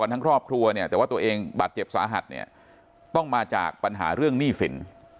กันทั้งรอบครัวแต่ว่าตัวเองบาดเจ็บสาหัสต้องมาจากปัญหาเรื่องหนี้สิน